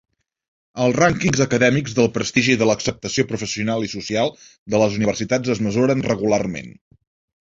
Els rànquings acadèmics del prestigi i de l'acceptació professional i social de les universitats es mesuren regularment.